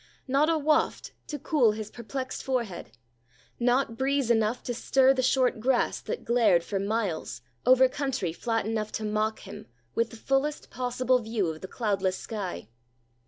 Not a waft to cool his perplexed forehead, not breeze enough to stir the short grass that glared for miles over country flat enough to mock him with the fullest possible view of the cloudless sky.